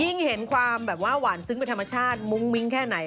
ยิ่งเห็นความแบบว่าหวานซึ้งเป็นธรรมชาติมุ้งมิ้งแค่ไหน